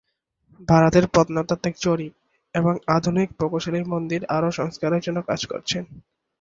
ভারতের প্রত্নতাত্ত্বিক জরিপ এবং আধুনিক প্রকৌশলী মন্দির আরও সংস্কারের জন্য কাজ করছেন।